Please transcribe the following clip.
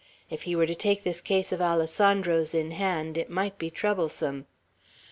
If he were to take this case of Alessandro's in hand, it might be troublesome.